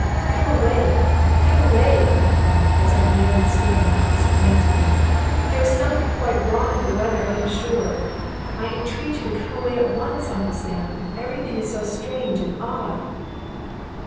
"Come away, come away," I cried, as I ran and stood on the opposite bank to him; "there is something quite wrong in the weather, I am sure. I entreat you to come away at once, Uncle Sam. Every thing is so strange and odd."